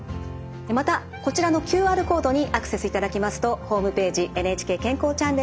またこちらのＱＲコードにアクセスいただきますとホームページ「ＮＨＫ健康チャンネル」につながります。